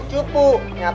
liat dong kesal mah gimana